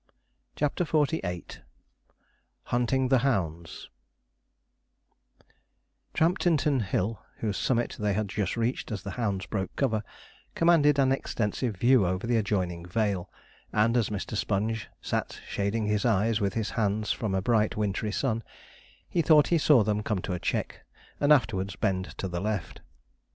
CHAPTER XLVIII HUNTING THE HOUNDS Tramptinton Hill, whose summit they had just reached as the hounds broke cover, commanded an extensive view over the adjoining vale, and, as Mr. Sponge sat shading his eyes with his hands from a bright wintry sun, he thought he saw them come to a check, and afterwards bend to the left.